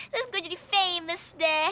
terus gue jadi famis deh